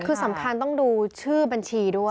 คือสำคัญต้องดูชื่อบัญชีด้วย